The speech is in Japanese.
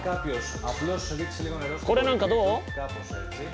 これなんかどう？